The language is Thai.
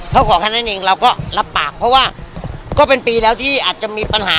เขาขอแค่นั้นเองเราก็รับปากเพราะว่าก็เป็นปีแล้วที่อาจจะมีปัญหา